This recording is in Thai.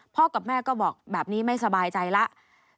กับแม่ก็บอกแบบนี้ไม่สบายใจแล้ว